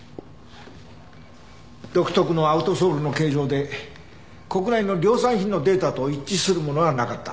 独特のアウトソールの形状で国内の量産品のデータと一致するものはなかった。